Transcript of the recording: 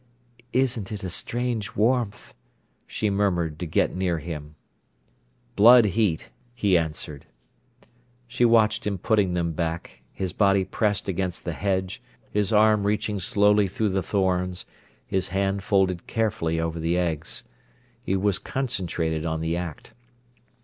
"Isn't it a strange warmth!" she murmured, to get near him. "Blood heat," he answered. She watched him putting them back, his body pressed against the hedge, his arm reaching slowly through the thorns, his hand folded carefully over the eggs. He was concentrated on the act.